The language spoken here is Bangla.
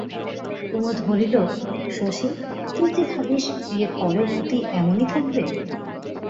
কুমুদ বলিল, শশী, তুই কি ভাবিস বিয়ের পরেও মতি এমনি থাকবে?